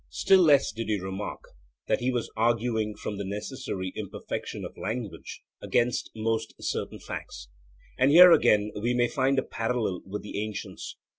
Still less did he remark that he was arguing from the necessary imperfection of language against the most certain facts. And here, again, we may find a parallel with the ancients.